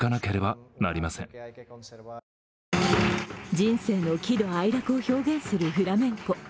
人生の喜怒哀楽を表現するフラメンコ。